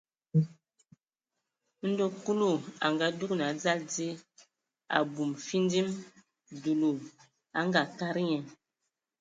Ndo Kulu a ngadugan a dzal die, abum findim, dulu a kadag nye.